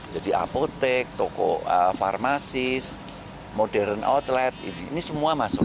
jadi apotek toko farmasis modern outlet ini semua masuk